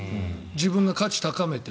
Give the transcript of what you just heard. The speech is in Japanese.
自分が価値高めて。